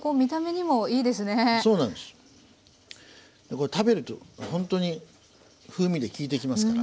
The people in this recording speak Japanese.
これ食べるとほんとに風味できいてきますから。